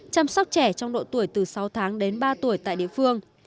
chăm sóc trẻ trong độ tuổi từ sáu tháng đến ba tuổi tại địa phương